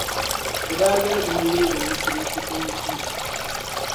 Di daa yɛligimi leegi musulinsi tiŋ gahindili .